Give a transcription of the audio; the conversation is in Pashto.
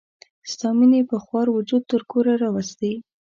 ستا مینې په خوار وجود تر کوره راوستي.